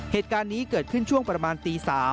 เหตุการณ์นี้เกิดขึ้นช่วงประมาณตี๓